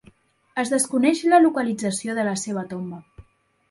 Es desconeix la localització de la seva tomba.